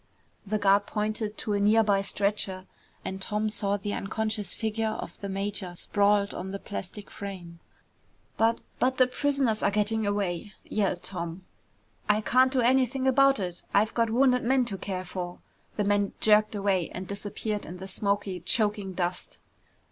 The guard pointed to a near by stretcher and Tom saw the unconscious figure of the major sprawled on the plastic frame. "But but the prisoners are getting away!" yelled Tom. "I can't do anything about it. I've got wounded men to care for!" The man jerked away and disappeared in the smoky, choking dust.